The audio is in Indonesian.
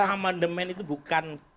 amandemen itu bukan